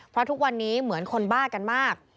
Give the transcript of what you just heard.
เพราะทุกวันนี้เหมือนคนบ้ากันมาก